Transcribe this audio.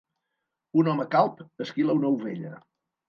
Un home calb esquila una ovella.